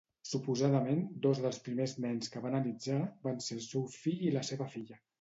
Suposadament dos dels primers nens que va analitzar van ser el seu fill i la seva filla.